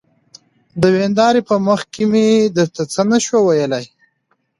د ويندارې په مخکې مې درته څه نشوى ويلى.